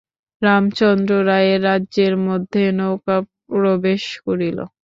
রামচন্দ্র রায়ের রাজ্যের মধ্যে নৌকা প্রবেশ করিল।